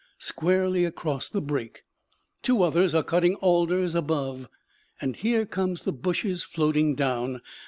_ squarely across the break. Two others are cutting alders above; and here come the bushes floating down.